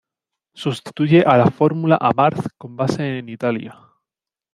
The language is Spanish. Sustituye a la Fórmula Abarth con base en Italia.